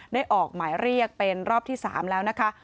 ออกหมายเรียกเป็นรอบที่๓แล้วนะคะ